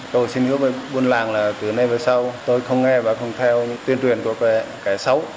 tôi xin hứa với buôn làng là từ nay về sau tôi không nghe và không theo tuyên truyền của cả xấu